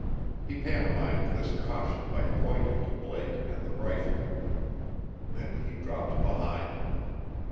He pantomimed this caution by pointing to Blake and the rifle. Then he dropped behind.